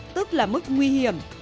tức là mức nguy hiểm